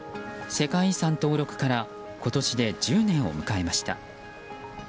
世界遺産登録から今年で１０年を迎えました。